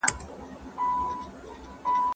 نه کيږي ټکی له ذهنه وباسئ.